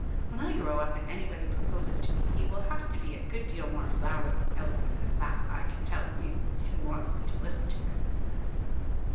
When I grow up and anybody proposes to me he will have to be a good deal more flowery and eloquent than that, I can tell you, if he wants me to listen to him.